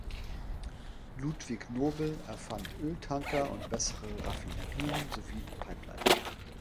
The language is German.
Ludvig Nobel erfand Öltanker und bessere Raffinerien sowie Pipelines.